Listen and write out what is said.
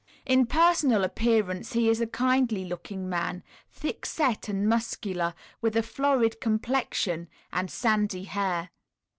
In personal appearance he is a kindly looking man, thickset and muscular, with a florid complexion and sandy hair.